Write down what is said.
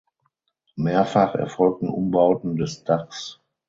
Mehrfach erfolgten Umbauten des Dachs.